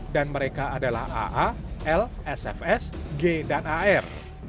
dan mereka adalah aa l sfs g dan ar